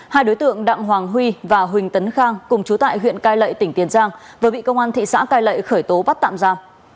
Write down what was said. hai đối tượng đặng hoàng huy và huỳnh tấn khang cùng chú tại huyện cai lệ tỉnh tiền giang vừa bị công an thị xã cai lậy khởi tố bắt tạm ra